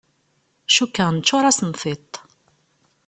Cukkeɣ neččur-asen tiṭ.